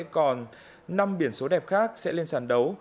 còn năm biển số đẹp khác sẽ lên sàn đấu